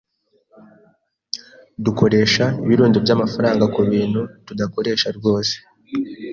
Dukoresha ibirundo by'amafaranga kubintu tudakoresha rwose.